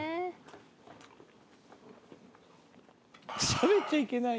しゃべっちゃいけないの？